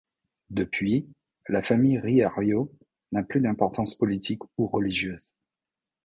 Depuis, la famille Riario n'a plus d'importances politique ou religieuse.